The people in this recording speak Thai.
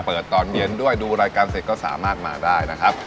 ตอนเย็นด้วยดูรายการเสร็จก็สามารถมาได้นะครับ